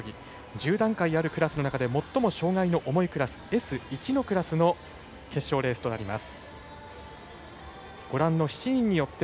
１０段階あるクラスの最も障がいの重いクラスＳ１のクラスの決勝レースとなります。